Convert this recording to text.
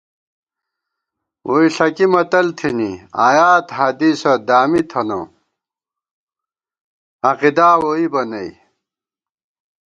ووئی ݪَکی متل تھنی، آیات حدیثہ دامی تھنہ عقیدا ووئیبہ نئ